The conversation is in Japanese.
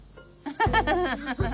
ハハハハハ。